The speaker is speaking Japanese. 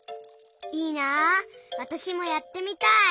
いいなあわたしもやってみたい。